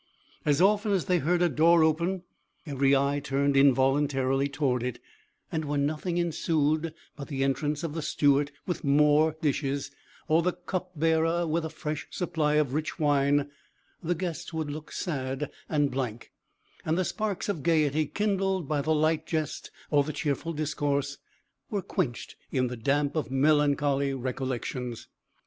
As often as they heard a door open, every eye turned involuntarily toward it, and when nothing ensued but the entrance of the steward with some more dishes, or of the cupbearer with a fresh supply of rich wine, the guests would look sad and blank, and the sparks of gayety kindled by the light jest or the cheerful discourse, were quenched in the damp of melancholy recollections.